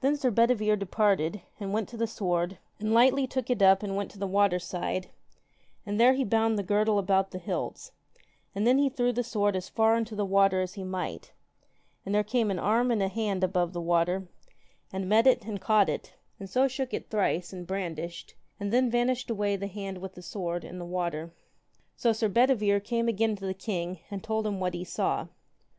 Then Sir Bedivere departed, and went to the sword, and lightly took it up, and went to the water side, and there he bound the girdle about the hilts, and then he threw the sword as far into the water as he might, and there came an arm and an hand above the water, and met it, and caught it, and so shook it thrice and brandished, and then vanished away the hand with the sword in the water. So Sir Bedivere came again to the king, and told him what he saw.